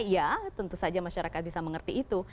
ya tentu saja masyarakat bisa mengerti itu